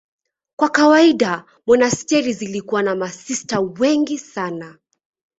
Kwa kawaida monasteri zilikuwa na masista wengi sana.